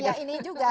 ya ini juga